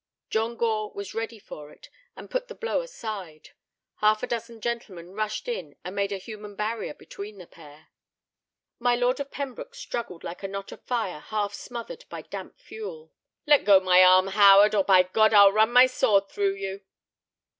John Gore was ready for it, and put the blow aside. Half a dozen gentlemen rushed in and made a human barrier between the pair. My Lord of Pembroke struggled like a knot of fire half smothered by damp fuel. "Hold off, fools! Let go my arm, Howard, or by God, I'll run my sword through you!"